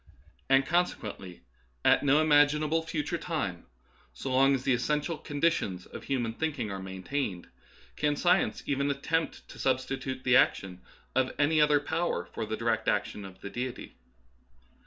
And consequently at Da7'winism Verified. 7 no imaginable future time, so long as the essen tial conditions of human thinking are maintained, can science even attempt to substitute the action of any other power for the direct action of Deity.